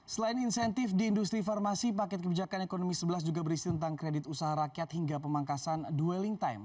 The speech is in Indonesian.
selain insentif di industri farmasi paket kebijakan ekonomi sebelas juga berisi tentang kredit usaha rakyat hingga pemangkasan dwelling time